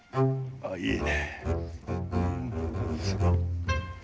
あっいいね。